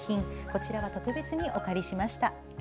こちらは特別にお借りしました。